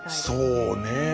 そうね。